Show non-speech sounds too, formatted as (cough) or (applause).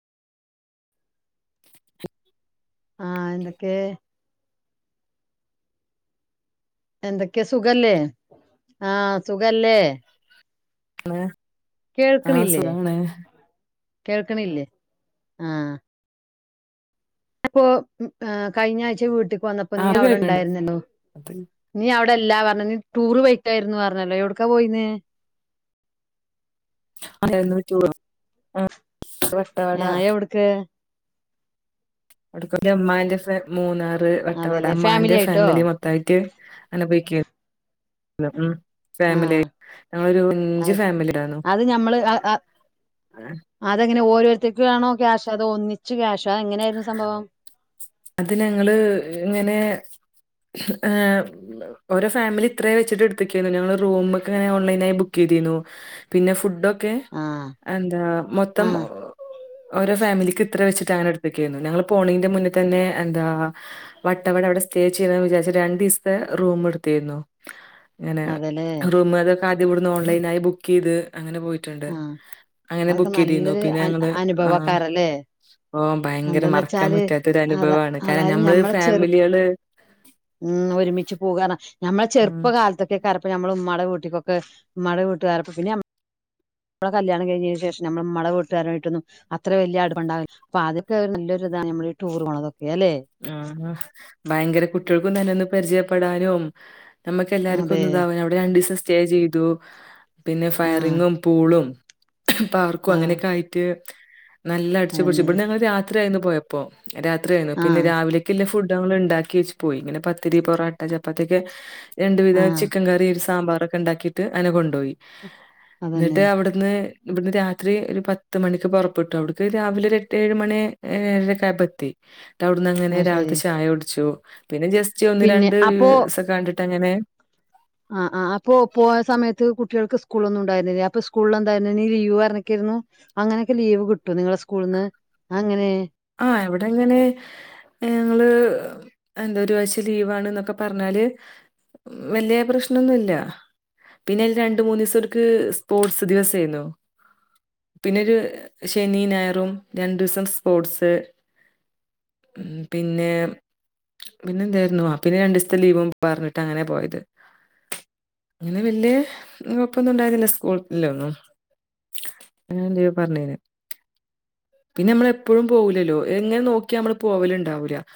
ആഹ എന്തൊക്കെ എന്തൊക്കെയ സുഖല്ലേ ആഹ സുഖല്ലേ? അഏ ആഹ കേൾക്കണില്ലേ സുഖണ് കേൾക്കണില്ലേ ആഹ അപ്പൊകഴിഞ്ഞ ആഴ്ച വീട്ടുക്ക് ന്നപ്പോ നീ ആഹ് ഇപ്പൊ അടെ കേക്ക്ണ്ട് ഉണ്ടായിരുന്നോ നീ ഇടെല്ല പറഞ്ഞ നീ ടൂറ് പൊയിക്കായിന്ന് പറഞ്ഞല്ലോ എവിടക്കാ പോയിനെ (unintelligible) വട്ടവട ഹ എവിടുക്ക് അക്ക അമ്മാന്റെ മൂന്നാറ് വ അതല്ലേ മ്മാന്റെ ആയിട്ടോ ഫാമിലി മൊത്തമായിട്ട് ഇങ്ങനെ പോയിക്കണ് പി ഉം ഫാമിലിയി ആഹ് ഞങ്ങളൊരു അഞ്ച് അത് ഫാമിലിടന്നു അത് ഞമ്മള് അങ്ങനെ ഓരോരുത്തേക്കാണോ ക്യാഷ് അതോ ഒന്നിച്ച് ക്യാഷ് അ എങ്ങനെയായിരുന്നു സംഭവം അത് ഞങ്ങള് ഇങ്ങനെ ഓരോ ഫാമിലി എത്ര വച്ചിട്ട് എടുക്കുക ഞങ്ങൾ റൂമൊക്കെ ഓൺലൈനിൽ ആയിട്ട് ബുക്ക് ചെയ്തിരുന്നു പിന്നെ ഫുഡ് ആഹ് മൊത്തം ആഹ് ഒരു ഫാമിലിക്ക് ഇത്രേ വെച്ചിട്ട് സ്റ്റാ എടുകേരുന്നു ഞങ്ങള് പോണിന്റെ മുന്നെ തന്നെ എന്താ വട്ടവട അവിടെ സ്റ്റേ ചെയ്യന്ന് വിചാരിച്ച രണ്ടു ദിവസത്തെ റൂം എടുത്തിരുന്നു ഇങ്ങനെ അതെല്ലേ റൂമ അത ആദ്യ ഇവിടുന്ന് ഓൺലൈനായി ബുക്ക് ചെയ്ത് അങ്ങനെ പോയിട്ടുണ്ട് ആഹ് അങ്ങനെ അതൊക്കെ ബുക്ക് ചെയ്തിന്നു നല്ലൊരു പിന്നെ ഞങ്ങള് ആ അനുഭവക്കാരല്ലേ ഓ ഭയങ്കര എന്താന്ന് മറക്കാൻ വെച്ചാല് പറ്റാ അത അതായത് നഞമ്മളെ ചെറു ഉം ഒരുമിച്ച് പൂകാരണം നഞമ്മളെ ഉം ചെറുപ്പ കാലത്തൊക്കെകാരപ്പോ നമ്മള് മ്മടെ കൂട്ടിക്കൊക്കെ മ്മാടെ കൂട്ട്കറപ്പ പിന്നെ നമ്മടെ കല്യാണം കഴിഞ്ഞതിന് ശേഷം നമ്മ മള വീട്ടുകാരമായിട്ടൊന്ന അത്ര വലിയ അടുപ്പണ്ടാവില്ല അൊ അതൊക്കെ നല്ലൊ ഇതാണ് നമ്മ ടൂർ പോുള്ളതക്കെ ആ ഭയങ്കര കു ട്ടികൾക്കും തന്നൊന്ന് പരിചയപ്പെടാനും നമുക്ക് എല്ലാർക്കു അതെ ഒന്നും താവൂല അവിടെ രണ്ടിസം സ്റ്റേ ചെയ്തു പിന്നെ ആഹ് ഫയറിങ്ങും പൂളും പാർക്കും ആഹ് അങ്ങനെക്കെ ആയിട്ട് നല്ല അടിച്ചു പൊടിച്ചു അതന്നെ ഇപട്ന്ന് ഞങ്ങള് രാ രാത്രി ആയിരുന്നു പോയപ്പോ രാത്രി പിന്നെ ആഹ് രാവിലേക്കല്ല ഫുഡ് ഡ് ങ്ങള് ഉണ്ടാക്കി വെച്ച് പോയി പിനെ പത്തിരി പൊറാട്ട ചപ്പ പതിക്കെ രണ്ട് വിധം ആഹ് ചിക്കൻ കറിയി സാമ്പാറൊക്കെ ഉണ്ടാക്കിട്ട് അയിനെ കൊണ്ടോയി അതന്നെ എന്നിട്ട് അവിടുന്ന് ഇവിന്ന് രാത്രി ഒരു പത്ത് മണിക്ക് പൊറപ്പെട്ടു അവിടക്ക് രാവിലെ ഒരു എട്ട് ഏഴ് മണി ഏഴര ക്കായപ്പോ എത്തി അവിടുന്ന് അങ്ങനെ അത് ശരി രാവിലത്തെ ചായ കുടിച്ചു പിന്നെ ജെസ്റ്റ് ഒന്ന് പിന്നെ രണ്ട് ഒക്ക കണ്ടിട്ട് ങ്ങനെ ആ ആ അപ്പൊ പോയ സമയത്ത് കുട്ടികൾക്ക് സ്കൂളൊ ഒന്നും ഉണ്ടായിരുന്നില്ല അപ്പൊ സ്കൂളിൽ എന്തായിുന്ന ലീവ് പറഞ്ഞക്കിരുന്നു അങ്ങനെയൊക്കെ ലീവ് കിട്ടു നിങ്ങളെ സ്കൂളിൽ നിന്ന് അതങ്ങനെ ആ ഇവിടെ എങ്ങനെ ഞങ്ങള് എന്താ ഒരു ആഴശ ലീവാണ് എന്നൊക്കെ പറഞ്ഞാല് വലിയ പ്രശ്നം ഒന്നുമല്ല പിന്നെ അതി രണ്ട മൂന്ന് ദിവസംക്കെ സ്പോർട്സ് ദിവസായിരുന്നു പിന്നെരു ശനി ഞായറും രണ്ടു ദിവസം സ്പോർട്സ് ഉ പിന്നെ പിന്നെ എന്തായിരുന്നു പിന്നെ രണ്ടു ദിവസത്തെ ലീവ പറഞ്ഞിട്ട് അങ്ങനെ പോയത് അങ്ങനെ വല്യ കൊഴപ്പൊന്നുംണ്ടായിരുന്നില്ല സ്കൂളല്ല ഒന്നും പറഞ്ഞ പിന്നെ നമ്മള് എപ്പോഴും പോകില്ലല്ലോ എങ്ങനെ നോക്കി നമ്മള് പോവല ഉണ്ടാവൂ